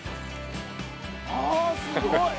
「ああすごい！」